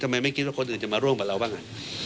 ไม่คิดว่าคนอื่นจะมาร่วมกับเราบ้าง